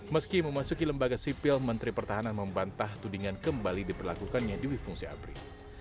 meski memasuki lembaga sipil menteri pertahanan membantah tudingan kembali diperlakukannya di wifungsi abri